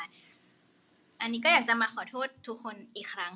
อันนี้ก็อยากจะมาขอโทษทุกคนอีกครั้ง